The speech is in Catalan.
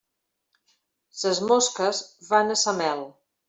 Ses mosques van a sa mel.